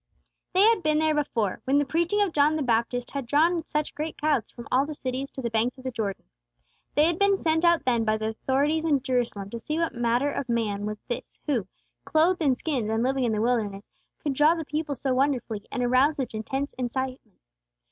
They had been there before, when the preaching of John Baptist had drawn such great crowds from all the cities to the banks of the Jordan. They had been sent out then by the authorities in Jerusalem to see what manner of man was this who, clothed in skins and living in the wilderness, could draw the people so wonderfully, and arouse such intense excitement.